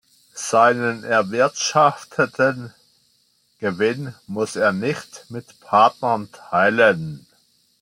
Seinen erwirtschafteten Gewinn muss er nicht mit Partnern teilen.